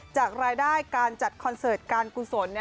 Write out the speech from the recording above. จากรายได้การจัดคอนเสิร์ตการกุศล